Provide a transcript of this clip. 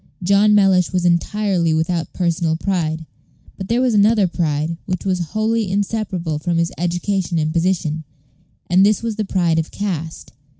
John Mellish was entirely without personal pride; but there was another pride, which was wholly inseparable from his education and position, and this was the pride of caste.